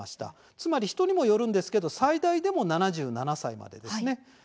つまり人にもよるんですが最大でも７７歳まででした。